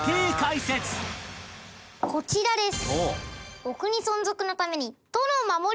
こちらです。